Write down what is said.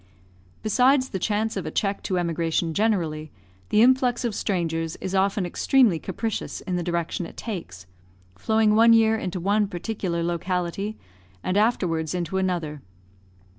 Besides the chance of a check to emigration generally, the influx of strangers is often extremely capricious in the direction it takes, flowing one year into one particular locality, and afterwards into another.